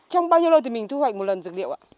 trong bao nhiêu lâu thì mình thu hoạch một lần dược liệu ạ